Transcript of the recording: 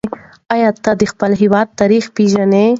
آیا ته د خپل هېواد تاریخ پېژنې؟